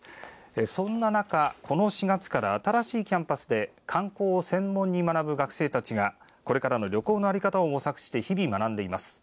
そんな中で、この４月から新しいキャンパスで観光を専門に学ぶ学生たちがこれからの旅行の在り方を模索して、日々学んでいます。